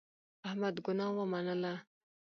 احمد ګناه ومنله.